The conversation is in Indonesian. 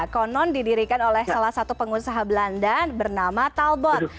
konon didirikan oleh salah satu pengusaha belanda bernama talbot